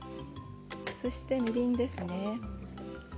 そしてみりんですね。